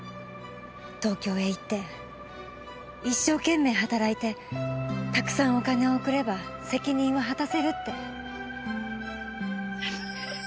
東京へ行って一生懸命働いてたくさんお金を送れば責任は果たせるって。